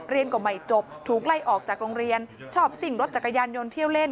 เรียนก็ไม่จบถูกไล่ออกจากโรงเรียนชอบซิ่งรถจักรยานยนต์เที่ยวเล่น